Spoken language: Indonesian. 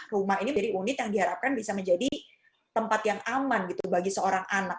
rumah ini menjadi unit yang diharapkan bisa menjadi tempat yang aman gitu bagi seorang anak